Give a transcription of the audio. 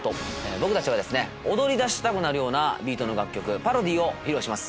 僕たちは踊り出したくなるようなビートの楽曲『パロディ』を披露します。